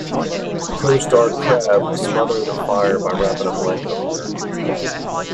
Co-star Crabbe smothered the fire by wrapping a blanket on her.